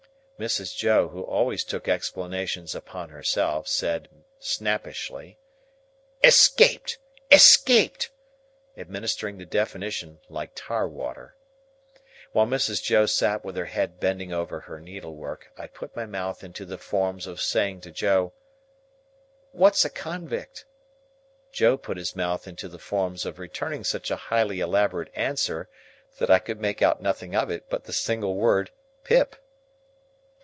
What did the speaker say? Mrs. Joe, who always took explanations upon herself, said, snappishly, "Escaped. Escaped." Administering the definition like Tar water. While Mrs. Joe sat with her head bending over her needlework, I put my mouth into the forms of saying to Joe, "What's a convict?" Joe put his mouth into the forms of returning such a highly elaborate answer, that I could make out nothing of it but the single word "Pip."